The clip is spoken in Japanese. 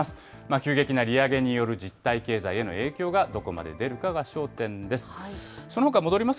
急激な利上げによる実体経済への影響がどこまで出るかが焦点です。